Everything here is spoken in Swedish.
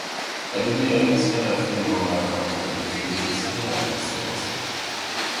Regleringen ska därför innehålla ett antal integritetshöjande bestämmelser.